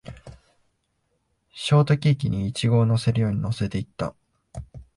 ショートケーキにイチゴを乗せるように乗せていった